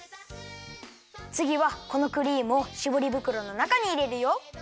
つぎはこのクリームをしぼりぶくろのなかにいれるよ。